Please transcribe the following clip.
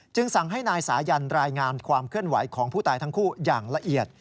สั่งให้นายสายันรายงานความเคลื่อนไหวของผู้ตายทั้งคู่อย่างละเอียด